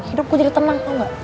hidup gue jadi tenang tau gak